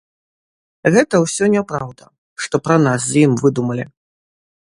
Гэта ўсё няпраўда, што пра нас з ім выдумалі.